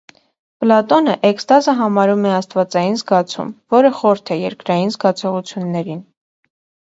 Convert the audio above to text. Պլատոնը էքստազը համարում է աստվածային զգացում, որը խորթ է երկրային զգացողություններին։